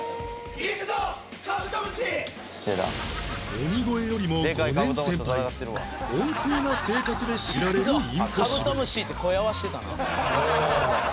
鬼越よりも５年先輩温厚な性格で知られるインポッシブル